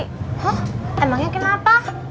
hah emangnya kenapa